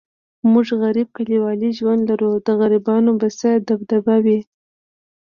موږ غریب کلیوالي ژوند لرو، د غریبانو به څه دبدبه وي.